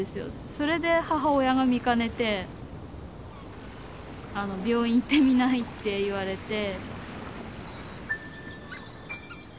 それで母親が見かねて「病院行ってみない？」って言われて。